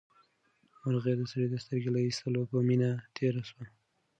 مرغۍ د سړي د سترګې له ایستلو په مینه تېره شوه.